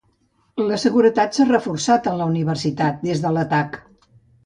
La seguretat s'ha reforçat en la universitat des de l'atac.